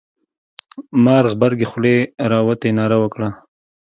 مار غبرگې خولې را وتې ناره وکړه.